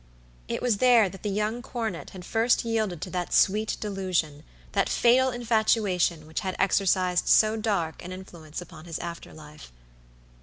It was there that the young cornet had first yielded to that sweet delusion, that fatal infatuation which had exercised so dark an influence upon his after life.